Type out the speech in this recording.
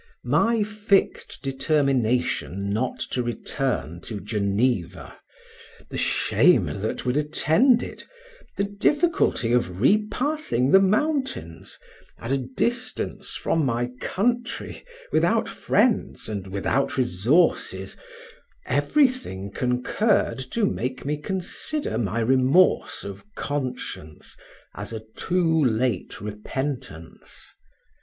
My fixed determination not to return to Geneva, the shame that would attend it, the difficulty of repassing the mountains, at a distance from my country, without friends, and without resources, everything concurred to make me consider my remorse of conscience, as a too late repentance.